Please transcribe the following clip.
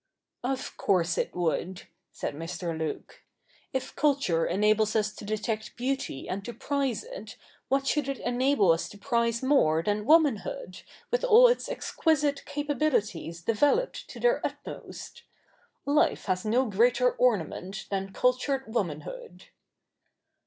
' Of course it would,' said Mr. Luke. ' If culture enables us to detect beauty and to prize it, what should it enable us to prize more than womanhood, with all its exquisite capabilities developed to their utmost ? Life has no greater ornament than cultured womanhood.'